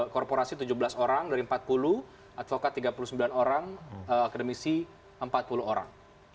korporasi tujuh belas orang dari empat puluh advokat tiga puluh sembilan orang akademisi empat puluh orang